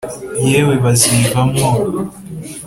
Yewe bazivamwo